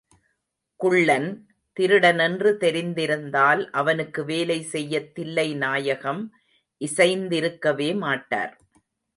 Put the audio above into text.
குள்ளன் திருடனென்று தெரிந்திருந்தால் அவனுக்கு வேலை செய்யத் தில்லைநாயகம் இசைந்திருக்கவே மாட்டார்.